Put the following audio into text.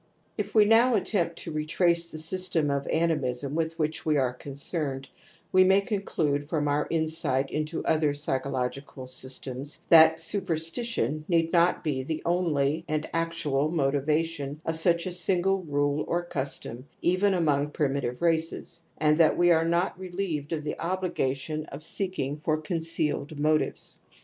If we now attempt to retrace the system of M L 162 TOTEM AND TABOO animism with which we are concerned, we may conclude from our insight into other psycho logical systems that ' superstition ' need not be the only and actual motivation of such a single rule or custom even among primitive races, and that we are not relieved of the obligation of r seeking for concealed motives.